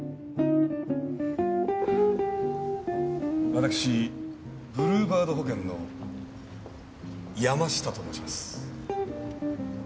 私ブルーバード保険の山下と申します。